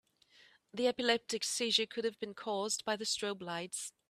The epileptic seizure could have been cause by the strobe lights.